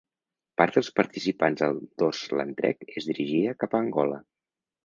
Part dels participants al Dorsland Trek es dirigia cap a Angola.